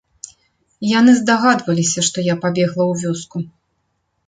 Яны здагадваліся, што я пабегла ў вёску.